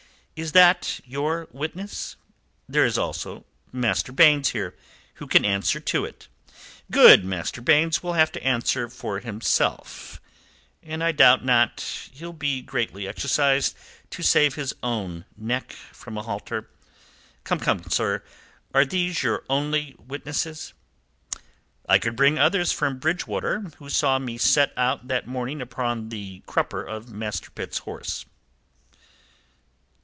Is that your witness?" "There is also Master Baynes here, who can answer to it." "Good Master Baynes will have to answer for himself; and I doubt not he'll be greatly exercised to save his own neck from a halter. Come, come, sir; are these your only witnesses?" "I could bring others from Bridgewater, who saw me set out that morning upon the crupper of Master Pitt's horse."